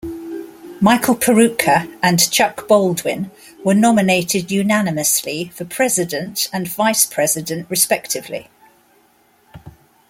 Michael Peroutka and Chuck Baldwin were nominated unanimously for President and Vice President, respectively.